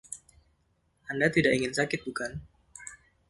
Anda tidak ingin sakit, bukan?